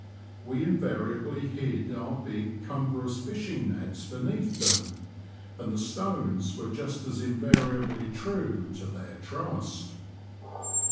We invariably hid our big cumbrous fishing nets beneath them, and the stones were just as invariably true to their trust.